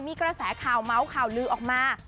มีกระแสข่าวเมาส์ข่าวลือออกมา